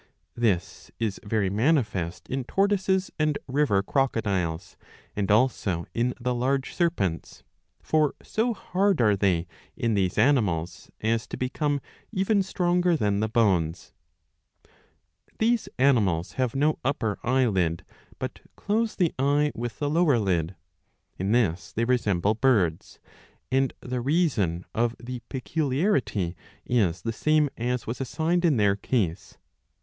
This is very manifest in tortoises and river crocodiles, and also in the large serpents: For so hard are they in these animals, as to become even stronger than the bones.^* *. These animals have no upper eyelid, but close the eye with the lower lid.'^ In this they resemble birds, and the reason of the peculiarity, is the same as was assigned in their case.